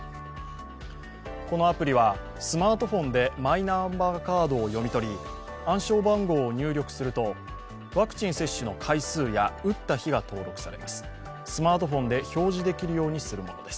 このアプリは、スマートフォンでマイナンバーカードを読み取り、暗証番号を入力するとワクチン接種の回数や打った日が登録されます。